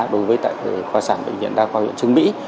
đối với tại khoa sản bệnh viện đa khoa nguyện trương mỹ